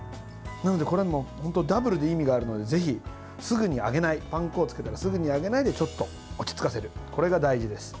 なので、これはもう本当にダブルで意味があるのでぜひ、パン粉をつけたらすぐに揚げないでちょっと落ち着かせるのが大事です。